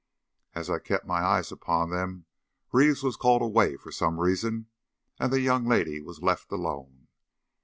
As I kept my eyes upon them, Reeves was called away for some reason, and the young lady was left alone.